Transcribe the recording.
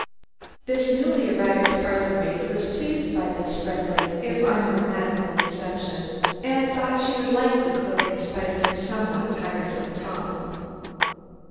The newly arrived parlor maid was pleased by this friendly if ungrammatical reception, and thought she would like the cook in spite of her somewhat tiresome tongue.